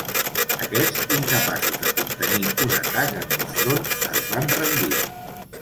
Aquests, incapaços de contenir un atac en dos fronts, es van rendir.